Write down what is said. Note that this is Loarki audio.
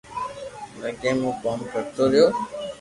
لگن مون ڪوم ڪرتو رھجو